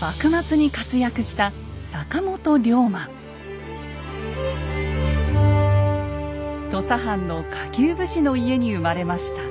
幕末に活躍した土佐藩の下級武士の家に生まれました。